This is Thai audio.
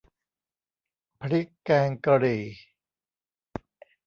พริกแกงกะหรี่